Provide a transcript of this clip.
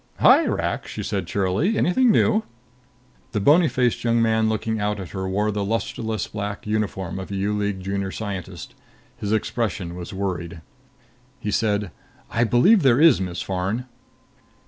"Hi, Rak!" she said cheerily. "Anything new?" The bony faced young man looking out at her wore the lusterless black uniform of a U League Junior Scientist. His expression was worried. He said, "I believe there is, Miss Farn."